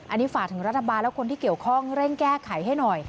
อันนี้ฝากถึงรัฐบาลและคนที่เกี่ยวข้องเร่งแก้ไขให้หน่อย